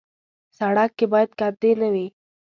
سړک کې باید کندې نه وي.